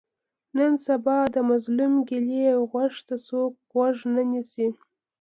نن سبا د مظلوم ګیلې او غږ ته څوک غوږ نه نیسي.